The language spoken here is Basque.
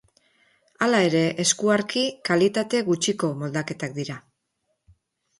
Hala ere, eskuarki, kalitate gutxiko moldaketak dira.